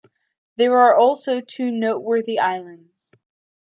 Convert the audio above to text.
There are also two noteworthy islands.